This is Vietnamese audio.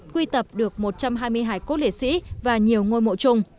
quy tập được một trăm hai mươi hai cốt liệt sĩ và nhiều ngôi mộ chung